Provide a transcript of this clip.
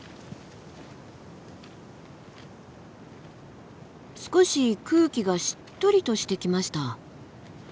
少し空気がしっとりとしてきました。